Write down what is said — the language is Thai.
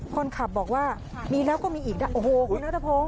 คนขับบอกว่ามีแล้วก็มีอีกโอ้โหคุณนัทพงศ